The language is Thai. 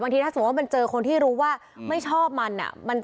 ถ้าสมมุติว่ามันเจอคนที่รู้ว่าไม่ชอบมัน